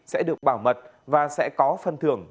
sẽ được bảo mật và sẽ có phân thưởng